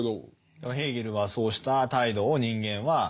でもヘーゲルはそうした態度を人間はとりうる。